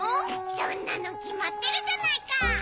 そんなのきまってるじゃないか。